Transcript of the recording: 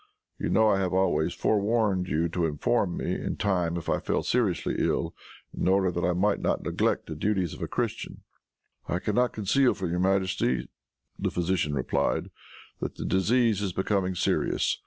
You know I have always forewarned you to inform me in time if I fell seriously ill, in order that I might not neglect the duties of a Christian." "I can not conceal from your majesty," the physician replied, "that the disease is becoming serious.